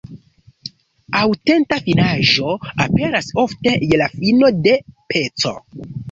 Aŭtenta finaĵo aperas ofte je la fino de peco.